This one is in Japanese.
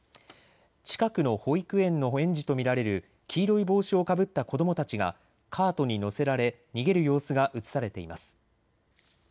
近くの保育園の園児と見られる黄色い帽子をかぶった子どもたちがカートに乗せられ逃げる様子が写されています。